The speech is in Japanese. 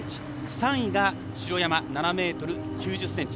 ３位が城山、７ｍ９０ｃｍ。